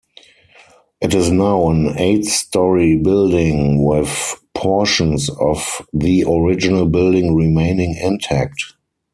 It is now an eight-storey building with portions of the original building remaining intact.